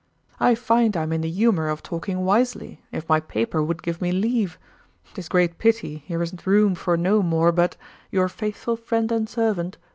I find I am in the humour of talking wisely if my paper would give me leave. 'Tis great pity here is room for no more but Your faithful friend and servant.